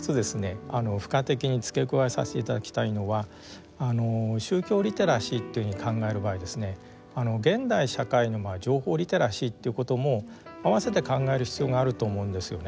付加的に付け加えさせていただきたいのは宗教リテラシーというふうに考える場合ですね現代社会の情報リテラシーということも併せて考える必要があると思うんですよね。